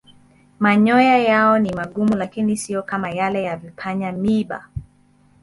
Manyoya yao ni magumu lakini siyo kama yale ya vipanya-miiba.